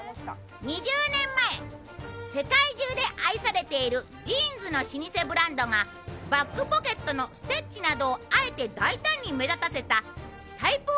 ２０年前世界中で愛されているジーンズの老舗ブランドがバックポケットのステッチなどをあえて大胆に目立たせたＴＹＰＥ